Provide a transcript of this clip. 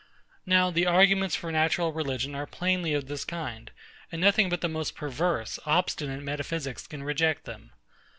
Now the arguments for Natural Religion are plainly of this kind; and nothing but the most perverse, obstinate metaphysics can reject them.